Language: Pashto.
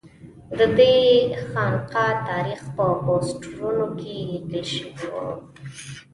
ددې خانقا تاریخ په پوسټرونو کې لیکل شوی و.